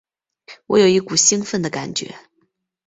我有一股兴奋的感觉